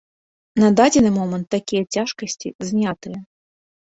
На дадзены момант такія цяжкасці знятыя.